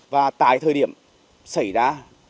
và tại thời điểm xảy ra